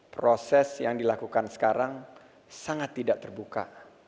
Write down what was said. proses yang dilakukan sekarang sangat tidak terbuka